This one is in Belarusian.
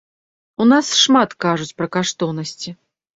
У нас шмат кажуць пра каштоўнасці.